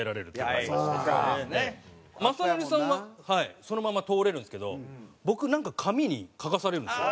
雅紀さんはそのまま通れるんですけど僕なんか紙に書かされるんですよ。